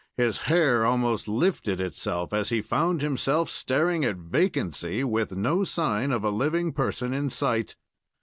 His hair almost lifted itself as he found himself staring at vacancy, with no sign of a living person in sight.